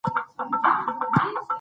دا ناروغي نادره بلل کېږي.